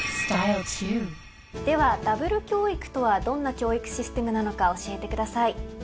では「ダブル教育」とはどんな教育システムなのか教えてください。